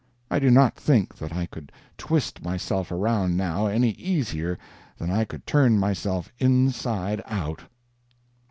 I do not think that I could twist myself around now any easier than I could turn myself inside out.